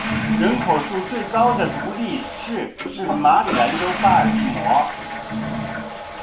人口数最高的独立市是马里兰州巴尔的摩。